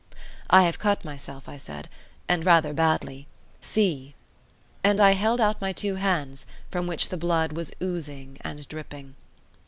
"I have cut myself," I said, "and rather badly. See!" And I held out my two hands from which the blood was oozing and dripping.